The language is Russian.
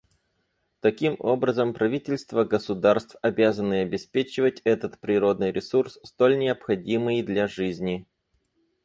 Таким образом, правительства государств обязаны обеспечивать этот природный ресурс, столь необходимый для жизни.